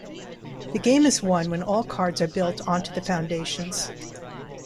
The game is won when all cards are built onto the foundations.